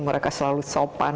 mereka selalu sopan